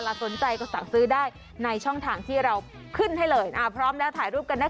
สนใจก็สั่งซื้อได้ในช่องทางที่เราขึ้นให้เลยพร้อมแล้วถ่ายรูปกันนะคะ